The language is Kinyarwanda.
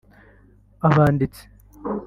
abanditsi